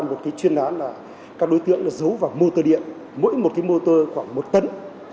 một cái chuyên án là các đối tượng giấu vào mô tơ điện mỗi một cái mô tơ khoảng một tấn